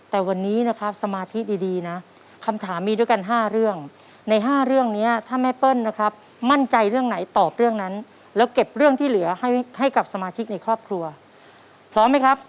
แต่วันนี้นะครับสมาธิดีนะคำถามมีด้วยกัน๕เรื่องใน๕เรื่องนี้ถ้าแม่เปิ้ลนะครับมั่นใจเรื่องไหนตอบเรื่องนั้นแล้วเก็บเรื่องที่เหลือให้กับสมาชิกในครอบครัวพร้อมไหมครับ